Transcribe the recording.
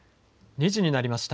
２時になりました。